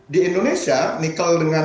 di indonesia nikel dengan